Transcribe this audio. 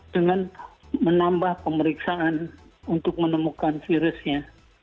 dengan menambah pemeriksaan untuk menemukan virusnya